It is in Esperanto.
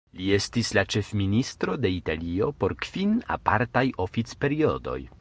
Li estis la ĉefministro de Italio por kvin apartaj oficperiodoj.